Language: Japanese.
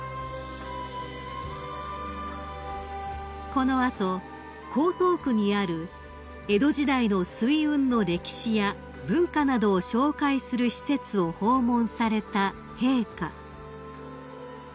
［この後江東区にある江戸時代の水運の歴史や文化などを紹介する施設を訪問された陛下］